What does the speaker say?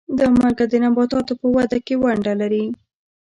دا مالګه د نباتاتو په وده کې ونډه لري.